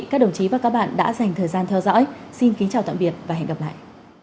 cảm ơn các bạn đã theo dõi và hẹn gặp lại